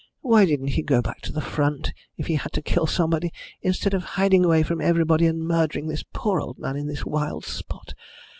Why didn't he go back to the front, if he had to kill somebody, instead of hiding away from everybody and murdering this poor old man in this wild spot?